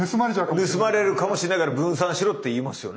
盗まれるかもしれないから分散しろって言いますよね。